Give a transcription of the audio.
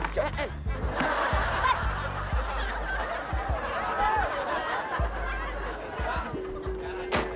jangan males oke